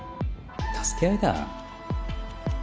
助け合いだ。